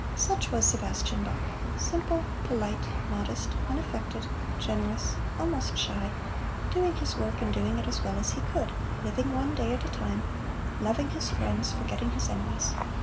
Such was Sebastian Bach simple, polite, modest, unaffected, generous, almost shy doing his work and doing it as well as he could, living one day at a time, loving his friends, forgetting his enemies.